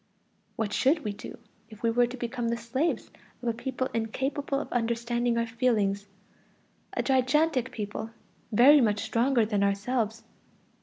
What should we do if we were to become the slaves of a people incapable of understanding our feelings, a gigantic people, very much stronger than ourselves?